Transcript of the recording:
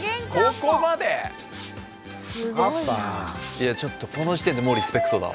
いやちょっとこの時点でもうリスペクトだわ。